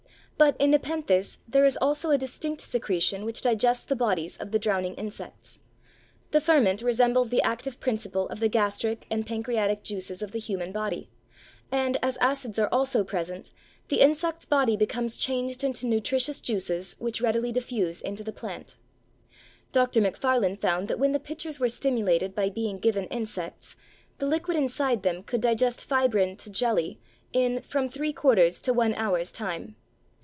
But, in Nepenthes, there is also a distinct secretion which digests the bodies of the drowning insects. The ferment resembles the active principle of the gastric and pancreatic juices of the human body, and, as acids are also present, the insect's body becomes changed into nutritious juices which readily diffuse into the plant. Dr. Macfarlane found that when the pitchers were stimulated by being given insects, the liquid inside them could digest fibrin to jelly in from three quarters to one hour's time.